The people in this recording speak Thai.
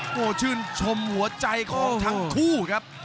โอ้โหชื่นชมหัวใจของทั้งคู่ครับ